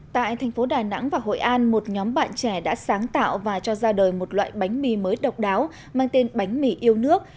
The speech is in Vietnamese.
tại thành phố đà nẵng và hội an một nhóm bạn trẻ đã sáng tạo và cho ra đời một loại bánh mì mới độc đáo mang tên bánh mì yêu nước